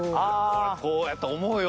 俺こうやと思うよ。